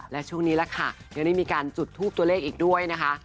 และช่วงนี้แหละค่ะยังได้มีการจุดทูปตัวเลขอีกด้วยนะคะ